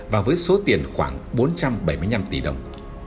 và với số tiền khoảng bốn trăm bảy mươi năm tỷ đồng